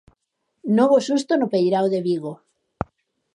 Novo susto no peirao de Vigo.